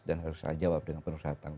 dan harus saya jawab dengan penuh kesatuan